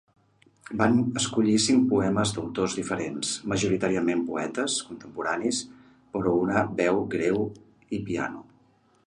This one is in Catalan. Va escollir cinc poemes d'autors diferents, majoritàriament poetes contemporanis, per una veu greu i piano.